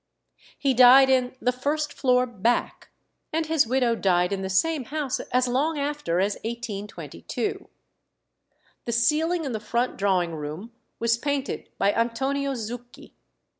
He died in the "first floor back," and his widow died in the same house as long after as 1822. The ceiling in the front drawing room was painted by Antonio Zucchi.